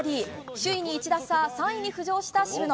首位に１打差３位に浮上した渋野。